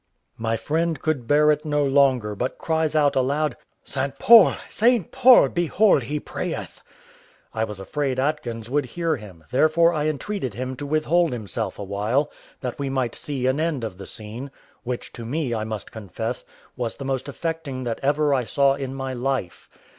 My friend could bear it no longer, but cries out aloud, "St. Paul! St. Paul! behold he prayeth." I was afraid Atkins would hear him, therefore I entreated him to withhold himself a while, that we might see an end of the scene, which to me, I must confess, was the most affecting that ever I saw in my life.